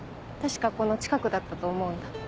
確かこの近くだったと思うんだ。